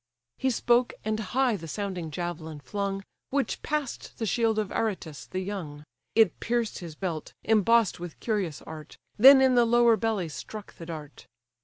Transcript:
He spoke, and high the sounding javelin flung, Which pass'd the shield of Aretus the young: It pierced his belt, emboss'd with curious art, Then in the lower belly struck the dart.